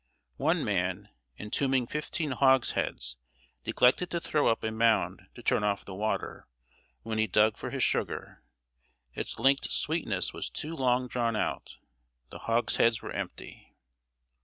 One man, entombing fifteen hogsheads, neglected to throw up a mound to turn off the water; when he dug for his sugar, its linked sweetness was too long drawn out! The hogsheads were empty.